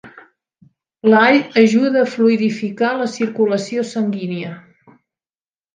L'all ajuda a fluïdificar la circulació sanguínia.